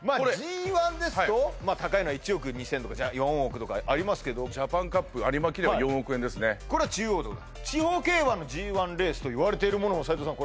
ＧⅠですと高いのは１億２０００とか４億とかありますけどジャパンカップ有馬記念の４億円ですねこれは中央でございます地方競馬のＧⅠレースといわれているものが斉藤さん